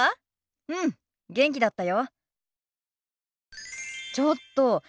うん元気だったよ。